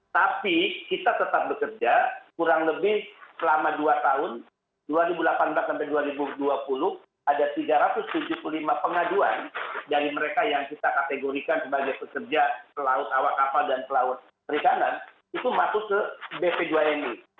tapi kita tetap bekerja kurang lebih selama dua tahun dua ribu delapan belas sampai dua ribu dua puluh ada tiga ratus tujuh puluh lima pengaduan dari mereka yang kita kategorikan sebagai pekerja pelaut awak kapal dan pelaut perikanan itu masuk ke bp dua mi